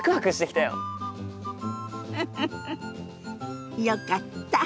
フフフよかった。